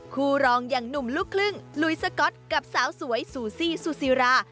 คู่รองอย่างหนุ่มลูกครึ่งลุยสก๊อตกับสาวสวยซูซี่ซูซีรา